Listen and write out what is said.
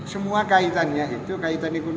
semua kaitannya itu kaitan ekonomi